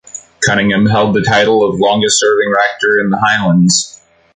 Cunningham held the title of longest serving Rector in the Highlands.